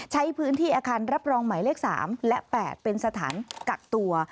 ใช้พื้นที่อาคารรับรองหมายเลข๓และ๘เป็นสถานกักตัว